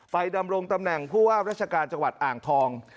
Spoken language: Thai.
ดำรงตำแหน่งผู้ว่าราชการจังหวัดอ่างทอง